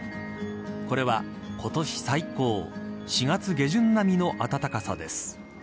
これは今年最高４月下旬並みの暖かさです。